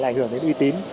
là ảnh hưởng đến uy tín